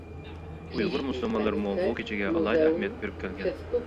ئۇيغۇر مۇسۇلمانلىرىمۇ بۇ كېچىگە ئالاھىدە ئەھمىيەت بېرىپ كەلگەن.